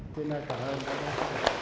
thế nên cảm ơn các bác